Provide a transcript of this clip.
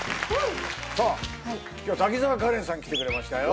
さあ今日は滝沢カレンさん来てくれましたよ